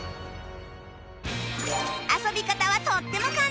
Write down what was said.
遊び方はとっても簡単